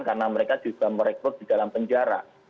karena mereka juga merekrut di dalam penjara